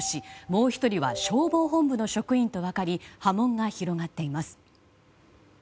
もう１人は消防本部の職員と分かり波紋が広がっています。